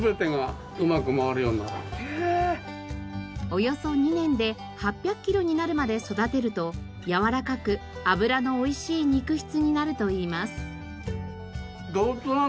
およそ２年で８００キロになるまで育てるとやわらかく脂のおいしい肉質になるといいます。